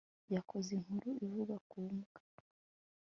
yakoze inkuru ivuga ku mbwa